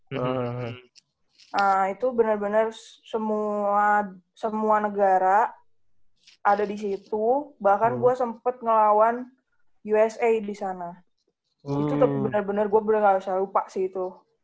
nah itu bener bener semua negara ada di situ bahkan gue sempet ngelawan usai di sana itu tuh bener bener gue bener gak usah lupa sih itu